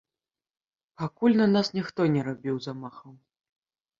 Пакуль на нас ніхто не рабіў замахаў.